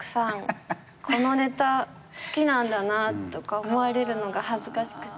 このねた好きなんだなとか思われるのが恥ずかしくて。